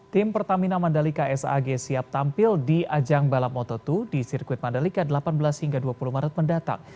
tim pertamina mandalika sag siap tampil di ajang balap moto dua di sirkuit mandalika delapan belas hingga dua puluh maret mendatang